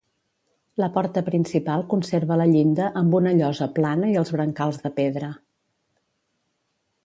La porta principal conserva la llinda amb una llosa plana i els brancals de pedra.